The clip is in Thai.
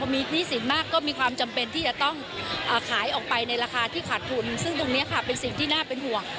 มีหนี้สินมากก็มีความจำเป็นที่จะต้องขายออกไปในราคาที่ขาดทุนซึ่งตรงนี้ค่ะเป็นสิ่งที่น่าเป็นห่วง